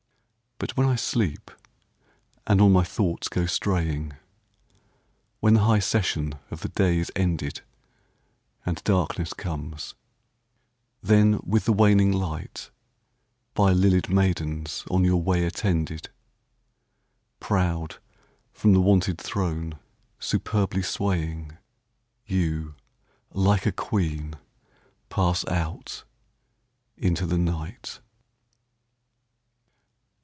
But when I sleep, and all my thoughts go straying, When the high session of the day is ended, And darkness comes; then, with the waning light, By lilied maidens on your way attended, Proud from the wonted throne, superbly swaying, You, like a queen, pass out into the night.